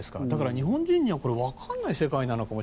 だから日本人には分からないと。